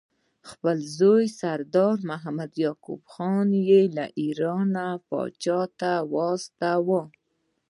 خپل زوی سردار محمد یعقوب خان یې ایران پاچا ته واستاوه.